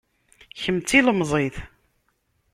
Kemm d tilemẓit.